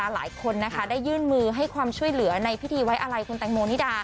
หลายคนได้ยื่นมือให้ความช่วยเหลือในพิธีไว้อะไรคุณแตงโมนิดา